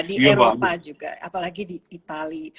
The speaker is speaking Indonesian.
di eropa juga apalagi di itali